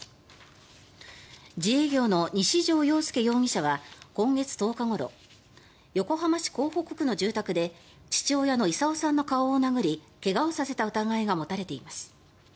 自営業の西條洋介容疑者は今月１０頃横浜市港北区の住宅で父親の功さんの顔を殴り怪我をさせた疑いが持たれています。